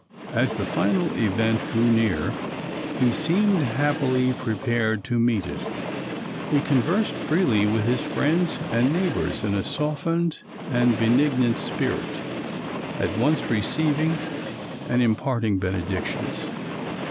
As the final event drew near, he seemed happily prepared to meet it. He conversed freely with his friends and neighbors in a softened and benignant spirit, at once receiving and imparting benedictions.